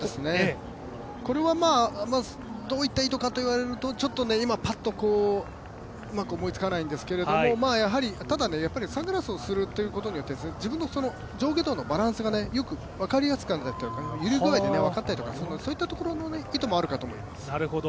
これは、どういった意図かと言われると今、ぱっとうまく思いつかないんですけども、ただねサングラスをするということによって、自分の上下動のバランスがよく分かりやすくなったり、揺れ具合で分かったりするんでそういった意図があると思います。